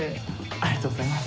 ありがとうございます。